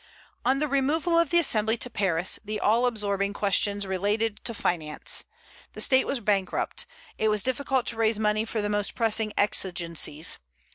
On the removal of the Assembly to Paris, the all absorbing questions related to finance. The State was bankrupt. It was difficult to raise money for the most pressing exigencies.